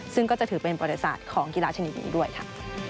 ซึ่งก็จะถือเป็นบริษัทของกีฬาชนิดนี้ด้วยค่ะ